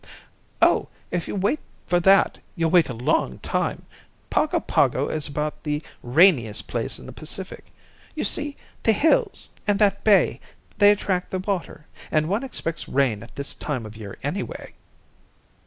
"Oh, if you wait for that, you'll wait a long time. Pago Pago is about the rainiest place in the Pacific. You see, the hills, and that bay, they attract the water, and one expects rain at this time of year anyway."